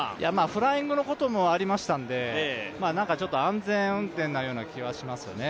フライングのこともありましたんで安全運転のような気はしますよね。